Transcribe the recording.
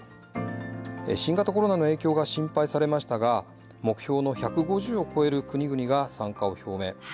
新型コロナの影響が心配されましたが目標の１５０を超える国々が参加を表明。